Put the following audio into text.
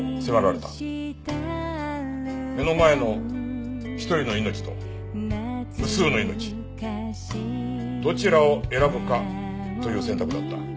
目の前の一人の命と無数の命どちらを選ぶかという選択だった。